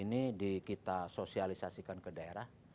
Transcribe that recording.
ini kita sosialisasikan ke daerah